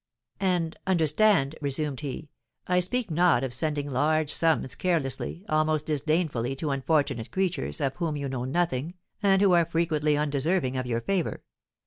"And understand," resumed he, "I speak not of sending large sums carelessly, almost disdainfully, to unfortunate creatures, of whom you know nothing, and who are frequently undeserving of your favour.